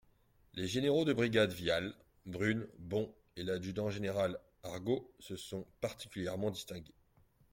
Les généraux de brigade Vial, Brune, Bon, et l'adjudant-général Argod se sont particulièrement distingués.